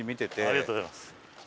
ありがとうございます。